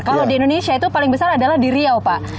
kalau di indonesia itu paling besar adalah di riau pak